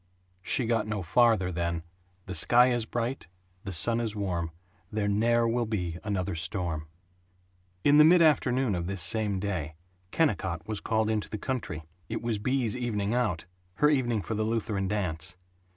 (She got no farther than "The sky is bright, the sun is warm, there ne'er will be another storm.") In the mid afternoon of this same day Kennicott was called into the country. It was Bea's evening out her evening for the Lutheran Dance.